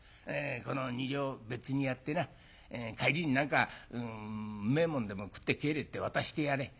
この２両別にやってな帰りに何かうめえもんでも食って帰れって渡してやれ」。